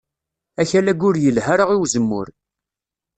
Akal-agi ur yelha ara i uzemmur